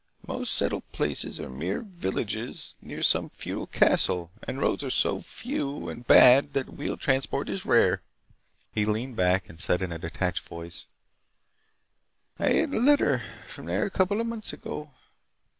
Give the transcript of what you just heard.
Most settled places are mere villages near some feudal castle, and roads are so few and bad that wheeled transport is rare." He leaned back and said in a detached voice: "I had a letter from there a couple of months ago.